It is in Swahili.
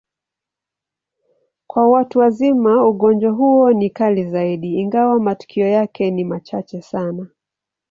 Kwa watu wazima, ugonjwa huo ni kali zaidi, ingawa matukio yake ni machache sana.